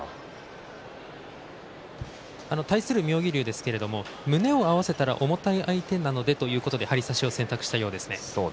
対する妙義龍ですが胸を合わせたら重たい相手なので張り差しを選択したようですね。